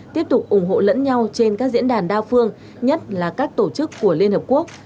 tiếp tục ủng hộ lẫn nhau trên các diễn đàn đa phương nhất là các tổ chức của liên hợp quốc